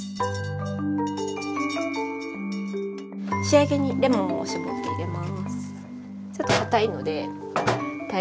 仕上げにレモンを搾って入れます。